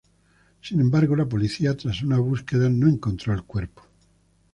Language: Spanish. Sin embargo, la policía, tras una búsqueda, no encontró el cuerpo.